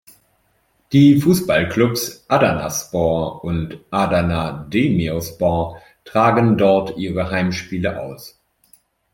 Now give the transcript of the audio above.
Die Fußballklubs Adanaspor und Adana Demirspor tragen dort ihre Heimspiele aus.